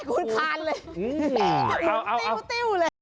ค่ะกูทานเลย